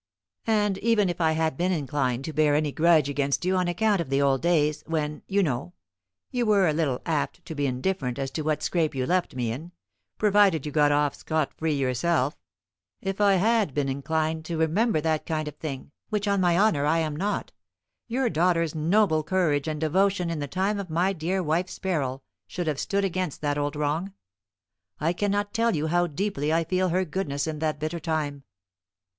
"And even if I had been inclined to bear any grudge against you on account of the old days, when, you know, you were a little apt to be indifferent as to what scrape you left me in, provided you got off scot free yourself; if I had been inclined to remember that kind of thing (which, on my honour, I am not), your daughter's noble courage and devotion in the time of my dear wife's peril should have stood against that old wrong. I cannot tell you how deeply I feel her goodness in that bitter time."